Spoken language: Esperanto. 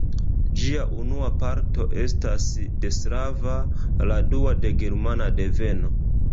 Ĝia unua parto estas de slava, la dua de germana deveno.